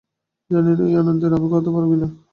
জানিনা এই আনন্দে আমি ঘুমাতে পারবো কিনা!